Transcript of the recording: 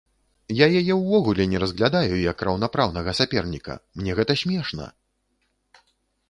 Я яе ўвогуле не разглядаю як раўнапраўнага саперніка, мне гэта смешна!